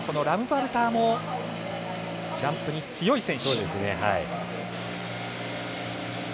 ラムパルターもジャンプに強い選手。